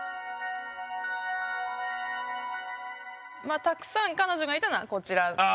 まあたくさん彼女がいたのはこちら。